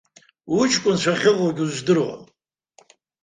Уҷкәынцәа ахьыҟоугьы уздыруам.